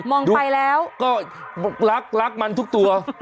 มองไปแล้วก็รักรักมันทุกตัว